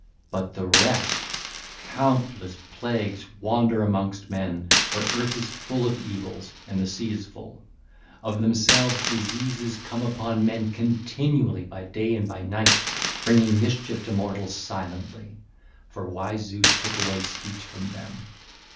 But the rest, countless plagues, wander amongst men; for earth is full of evils and the sea is full. Of themselves diseases come upon men continually by day and by night, bringing mischief to mortals silently; for wise Zeus took away speech from them.